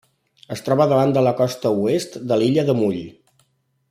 Es troba davant de la costa oest de l'illa de Mull.